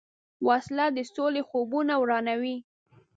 وسله د سولې خوبونه ورانوي